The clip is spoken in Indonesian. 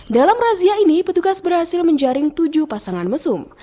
dalam razia ini petugas berhasil menjaring tujuh pasangan mesum